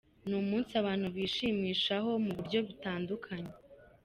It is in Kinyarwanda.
Ni umunsi abantu bishimishamo mu buryo butandukanye.